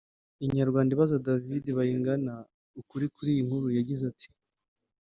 Inyarwanda ibaza David Bayingana ukuri kuri iyi nkuru yagize ati